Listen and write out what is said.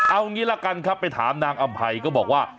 เอางี้ละกันครับไปถามนางอำภัยก็บอกว่า